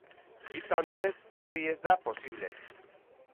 Bistan denez, hori ez da posible.